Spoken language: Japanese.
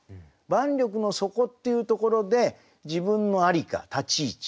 「万緑の底」っていうところで自分の在りか立ち位置。